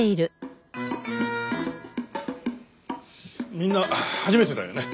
みんな初めてだよね。